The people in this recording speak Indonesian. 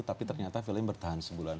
tapi ternyata film bertahan sebulan